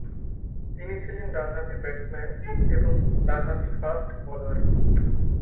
তিনি ছিলেন ডানহাতি ব্যাটসম্যান এবং ডানহাতি ফাস্ট বোলার।